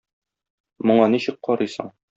Моңа ничек карыйсың?